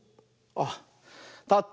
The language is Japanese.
あったった。